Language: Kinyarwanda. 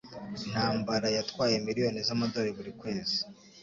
Intambara yatwaye miliyoni z'amadolari buri kwezi